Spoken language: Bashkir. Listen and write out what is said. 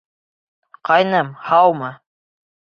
Ҡайным, һаумы!